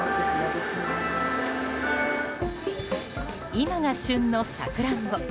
今が旬のサクランボ。